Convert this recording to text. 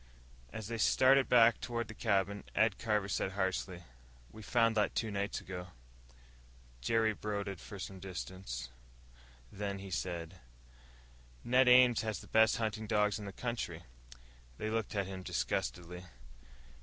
As they started back toward the cabin, Ed Carver said harshly, "We found that two nights ago." Jerry brooded for some distance, then he said, "Ned Ames has the best hunting dogs in the country." They looked at him disgustedly.